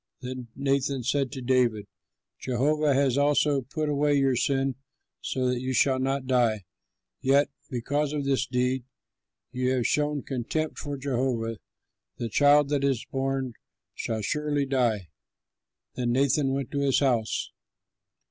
Then Nathan said to David, "Jehovah has also put away your sin so that you shall not die. Yet, because by this deed you have shown contempt for Jehovah, the child that is born shall surely die." Then Nathan went to his house.